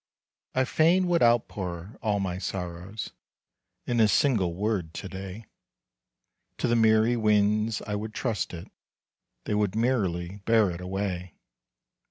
I fain would outpour all my sorrows In a single word to day. To the merry winds I would trust it, They would merrily bear it away.